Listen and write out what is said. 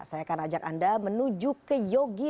saya akan ajak anda menuju ke yogi